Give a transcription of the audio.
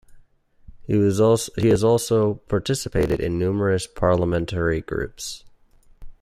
He has also participated in numerous Parliamentary Groups.